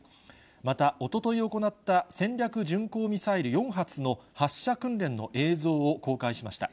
また、おととい行った戦略巡航ミサイル４発の発射訓練の映像を公開しました。